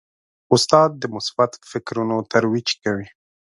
استاد د مثبت فکرونو ترویج کوي.